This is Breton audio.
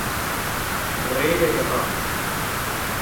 Redek a ra.